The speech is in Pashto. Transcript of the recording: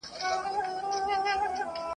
د خان ماینې ته هر څوک بي بي وایي ..